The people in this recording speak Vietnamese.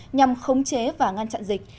nhằm khống chế và ngăn chặn dịch